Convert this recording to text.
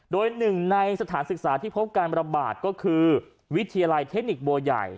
โดยหนึ่งในสถานศึกษาที่พบการระบาดก็คือวิทยาลัยเทคนิคบัวใหญ่